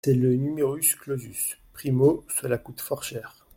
C’est le numerus clausus ! Primo, cela coûte fort cher.